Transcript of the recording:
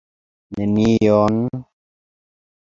Nenion?